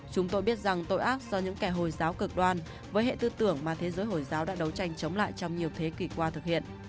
chúng tôi biết rằng tội ác do những kẻ hồi giáo cực đoan với hệ tư tưởng mà thế giới hồi giáo đã đấu tranh chống lại trong nhiều thế kỷ qua thực hiện